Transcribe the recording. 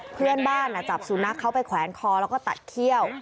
เพื่อนบ้านจับสุนัขเขาไปแขวนคอแล้วก็ตัดเขี้ยว